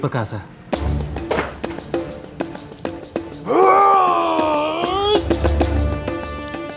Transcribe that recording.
kak kaya ini juga dikunci sih